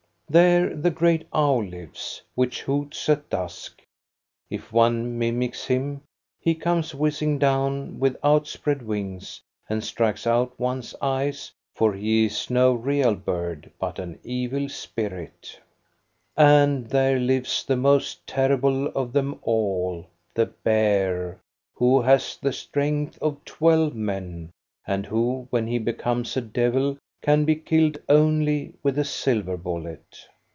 \\\ THE GREAT BEAR IN GURLITTA CLIFF 1 23 There the great owl lives, which hoots at dusk. If one mimics him, he comes whizzing down with out spread wings and strikes out one's eyes, for he is no real bird, but an evil spirit And there lives the most terrible of them all, the bear, who has the strength of twelve men, and who, when he becomes a devil, can be killed only with a silver bullet.